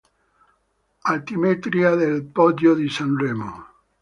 Altimetria del Poggio di Sanremo